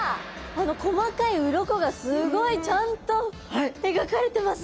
あの細かい鱗がすごいちゃんと描かれてますね。